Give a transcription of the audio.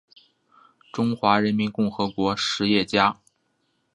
中华人民共和国实业家。